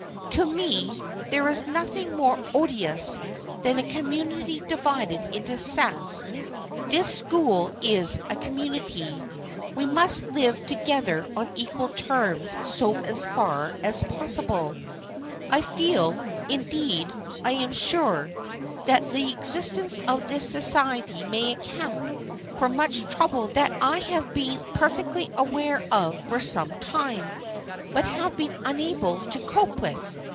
To me, there is nothing more odious than a community divided into sets. This school is a community. We must live to gether on equal terms so far as possible. I feel, indeed, I am sure, that the existence of this society may account for much trouble that I have been perfectly aware of for some time, but have been unable to cope with.